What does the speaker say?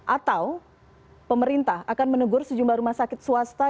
atau pemerintah akan menegur sejumlah rumah sakit swasta